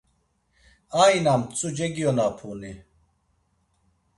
Aina mtzu cegiyonapuni?